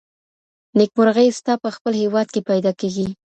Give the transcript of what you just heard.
نېکمرغي ستا په خپل هیواد کي پیدا کیږي.